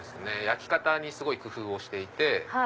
焼き方にすごい工夫をしていて。